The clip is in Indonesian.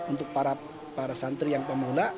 untuk para santri yang pemunak